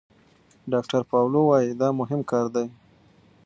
ډاکتر پاولو وايي دا مهم کار دی.